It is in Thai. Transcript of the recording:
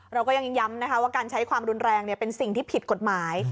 เราก็ยังย้ำนะคะว่าการใช้ความรุนแรงเป็นสิ่งที่ผิดกฎหมาย